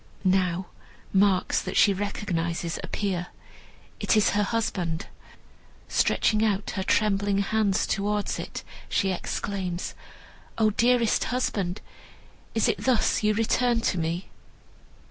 Now marks that she recognizes appear. It is her husband! Stretching out her trembling hands towards it, she exclaims, "O dearest husband, is it thus you return to me?"